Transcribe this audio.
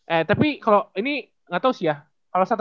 eh tapi kalau ini nggak tau sih ya